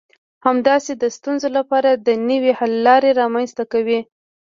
همداسې د ستونزو لپاره د نوي حل لارې رامنځته کوي.